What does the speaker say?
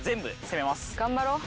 頑張ろう。